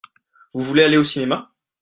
Vous voulez aller au cinéma ?